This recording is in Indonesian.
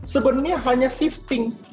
sebenarnya hanya shifting